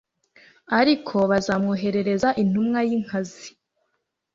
ariko bazamwoherereza intumwa y'inkazi